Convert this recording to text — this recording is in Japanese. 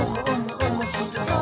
おもしろそう！」